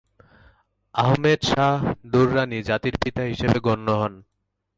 আহমেদ শাহ দুররানি জাতির পিতা হিসেবে গণ্য হন।